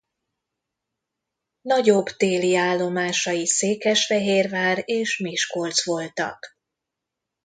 Nagyobb téli állomásai Székesfehérvár és Miskolc voltak.